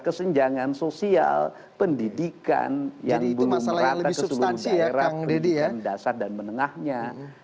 kesenjangan sosial pendidikan yang belum merata ke seluruh daerah pendidikan dasar dan menengahnya